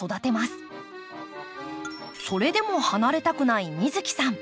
それでも離れたくない美月さん。